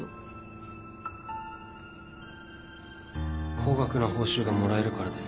高額な報酬がもらえるからです。